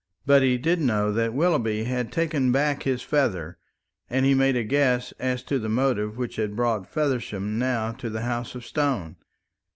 But he did know that Willoughby had taken back his feather, and he made a guess as to the motive which had brought Feversham now to the House of Stone.